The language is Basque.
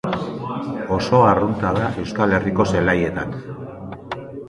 Oso arrunta da Euskal Herriko zelaietan.